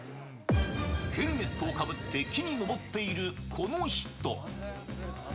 ヘルメットをかぶって木に登っているこの人。